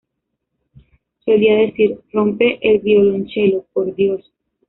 Solía decir: "¡Rompe el violonchelo, por Dios!